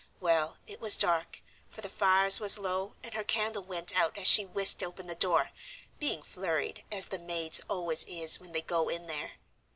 Well, it was dark, for the fires was low and her candle went out as she whisked open the door, being flurried, as the maids always is when they go in there.